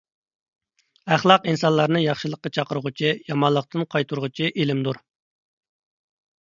ئەخلاق ئىنسانلارنى ياخشىلىققا چاقىرغۇچى، يامانلىقتىن قايتۇرغۇچى ئىلىمدۇر.